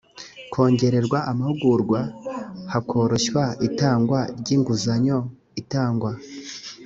kongererwa amahugurwa hakoroshywa itangwa ry inguzanyo itangwa